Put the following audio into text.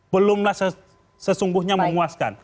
belumlah sesungguhnya memuaskan